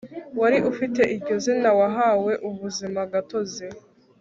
wari ufite iryo zina wahawe ubuzima gatozi